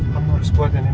kamu harus buat yang ini